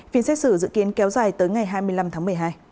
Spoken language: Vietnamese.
phiên xét xử dự kiến kéo dài tới ngày hai mươi năm tháng một mươi hai